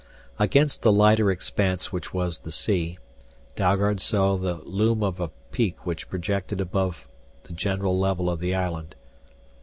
Against the lighter expanse which was the sea, Dalgard saw the loom of a peak which projected above file general level of the island.